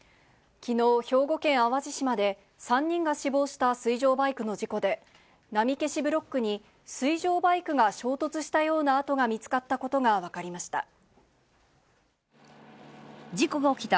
きのう、兵庫県淡路島で、３人が死亡した水上バイクの事故で、波消しブロックに水上バイクが衝突したような跡が見つかったことが分かりました。